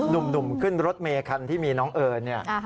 นี่หนุ่มขึ้นรถเมฆัลที่มีน้องเอิญ